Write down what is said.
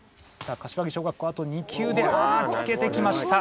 あと２球であつけてきました。